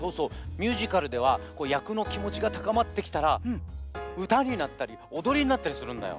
ミュージカルではやくのきもちがたかまってきたらうたになったりおどりになったりするんだよ。